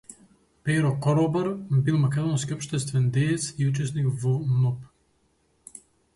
Перо Коробар бил македонски општествен деец и учесник во НОБ.